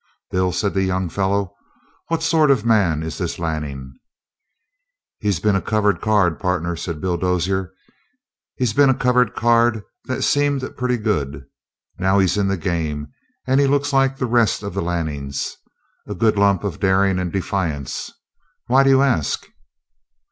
"Bill," said the young fellow, "what sort of a man is this Lanning?" "He's been a covered card, partner," said Bill Dozier. "He's been a covered card that seemed pretty good. Now he's in the game, and he looks like the rest of the Lannings a good lump of daring and defiance. Why d'you ask?"